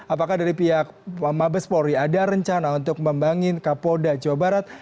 apakah dari pihak mabes polri ada rencana untuk membangun kapolda jawa barat